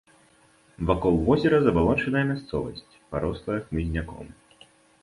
Вакол возера забалочаная мясцовасць, парослая хмызняком.